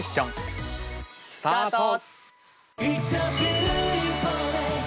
スタート。